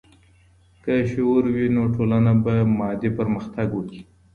که شعور وي، نو ټولنه به مادي پرمختګ وکړي.